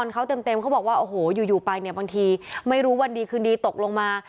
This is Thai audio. เขาเต็มเขาบอกว่าโอ้โหอยู่ไปเนี่ยบางทีไม่รู้วันดีคืนดีตกลงมา